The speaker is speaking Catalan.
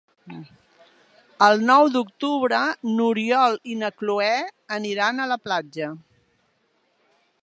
El nou d'octubre n'Oriol i na Cloè aniran a la platja.